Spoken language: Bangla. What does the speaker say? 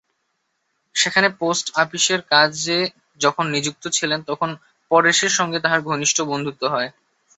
সেখানে পোস্ট-আপিসের কাজে যখন নিযুক্ত ছিলেন তখন পরেশের সঙ্গে তাঁহার ঘনিষ্ঠ বন্ধুত্ব হয়।